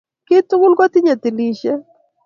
kiy tugul kotinye tilishek